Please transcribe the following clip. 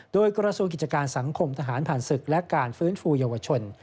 โดยกระทรวงกิจการสังคมทหารผ่านศึกและการฟื้นฟูเยาวชน